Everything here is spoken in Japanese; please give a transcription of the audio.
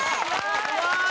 すごい！